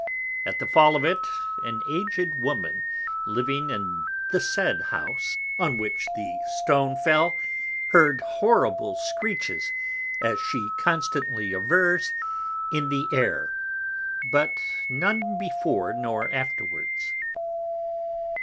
At the fall of it an aged Woman living in the said House on which the Stone fell, heard horrible Scrieches (as she constantly averrs) in the Air, but none before nor afterwards.